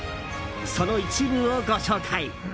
その一部をご紹介。